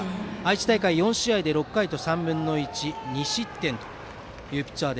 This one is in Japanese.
愛知大会４試合６回３分の１２失点のピッチャー。